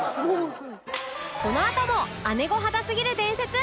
このあとも姉御肌すぎる伝説！